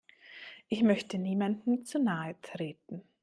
Ich möchte niemandem zu nahe treten.